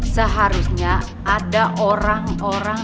seharusnya ada orang orang